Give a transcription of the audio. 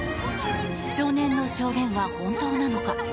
少年の証言は本当なのか。